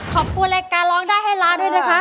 ขอบคุณการร้องนี่ด้วย